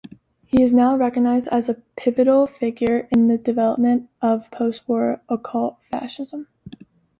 He is now recognized as a pivotal figure in the development of post-war occult-fascism.